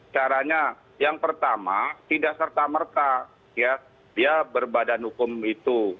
caranya yang pertama tidak serta merta ya dia berbadan hukum itu